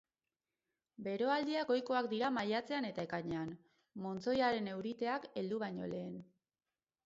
Beroaldiak ohikoak dira maiatzean eta ekainean, montzoiaren euriteak heldu baino lehen.